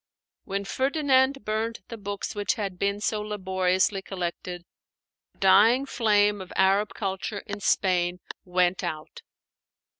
When Ferdinand burned the books which had been so laboriously collected, the dying flame of Arab culture in Spain went out.